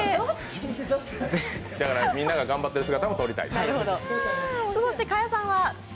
みんなが頑張ってる姿を撮りたい。